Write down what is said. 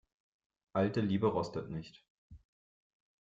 Alte Liebe rostet nicht.